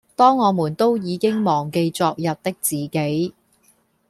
當我們都已經忘記昨日的自己